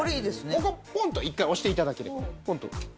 ここポンと１回押して頂ければポンと。